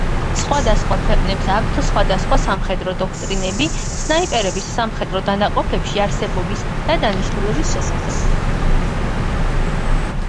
სხვადასხვა ქვეყნებს აქვთ სხვადასხვა სამხედრო დოქტრინები სნაიპერების სამხედრო დანაყოფებში არსებობის და დანიშნულების შესახებ.